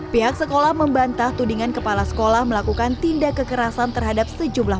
pihak sekolah membantah tudingan kepala sekolah melakukan tindak kekerasan terhadap sejumlah